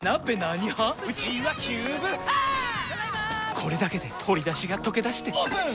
これだけで鶏だしがとけだしてオープン！